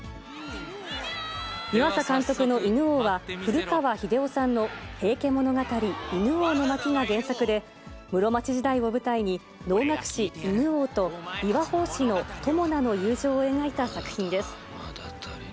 湯浅監督の犬王は、古川日出男さんの平家物語犬王の巻が原作で、室町時代を舞台に、能楽師、犬王と、琵琶法師の友魚の友情を描いた作品です。